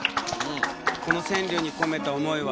この川柳に込めた思いは？